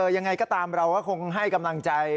ยังไงก็ตามเราก็คงให้กำลังใจ